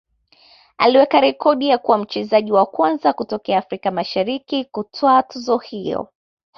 aliweka rekodi ya kuwa mchezaji wa kwanza kutokea Afrika Mashariki kutwaa tuzo hiyo